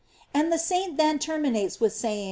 * And the saint then terminates with say.